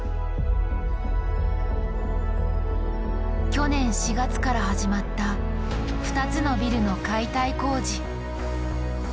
去年４月から始まった２つのビルの解体工事。